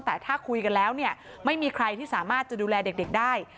แต่ถ้าคุยกันแล้วเนี่ยไม่มีใครที่สามารถจะดูแลเด็กได้